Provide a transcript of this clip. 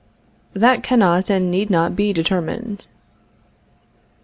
That cannot and need not be determined.